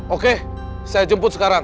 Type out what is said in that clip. oke saya jemput sekarang